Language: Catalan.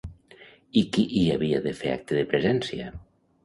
I qui hi havia de fer acte de presència?